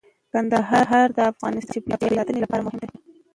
کندهار د افغانستان د چاپیریال ساتنې لپاره مهم دي.